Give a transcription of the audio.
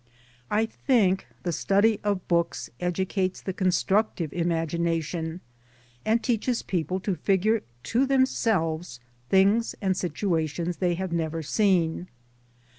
I think the study of books educates the constructive imagination and teaches people to figure to themselves things and situations they have never seen.